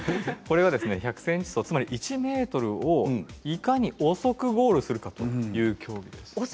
１００ｃｍ走、つまり１ｍをいかに遅くゴールするかという競技です。